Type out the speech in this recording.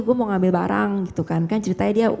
gue mau ngambil barang gitu kan kan ceritanya dia